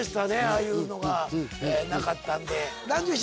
ああいうのがなかったんで。